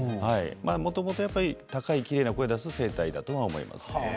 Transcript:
もともとやっぱり高いきれいな声を出す声帯だと思います。